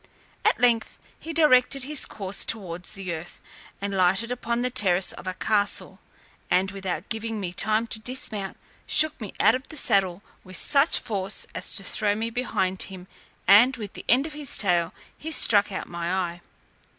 At length he directed his course towards the earth, and lighted upon the terrace of a castle, and, without giving me time to dismount, shook me out of the saddle with such force, as to throw me behind him, and with the end of his tail he struck out my eye.